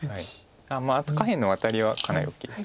あと下辺のワタリはかなり大きいです。